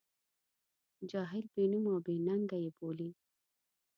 جاهل، بې نوم او بې ننګه یې بولي.